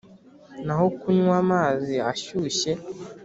naho kunywa amazi ashyushye